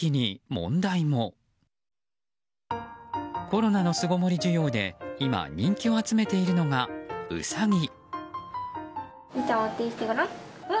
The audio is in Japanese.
コロナの巣ごもり需要で今、人気を集めているのがウサギ。